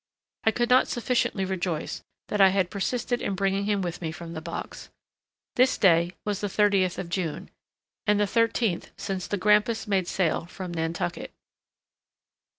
I could not sufficiently rejoice that I had persisted in bringing him with me from the box. This day was the thirtieth of June, and the thirteenth since the Grampus made sail from Nantucket.